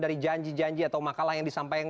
dari janji janji atau makalah yang disampaikan